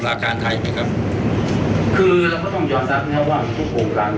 เพราะฉะนั้นการที่เขาเก็บว่าแว่นว่าปี๕๘มันเป็นหมายความว่าไหนเคยเก็บหรือเปล่า